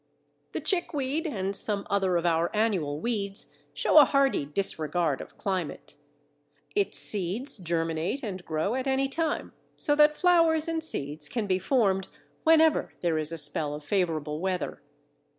The Chickweed and some other of our annual weeds show a hardy disregard of climate. Its seeds germinate and grow at any time, so that flowers and seeds can be formed whenever there is a spell of favourable weather.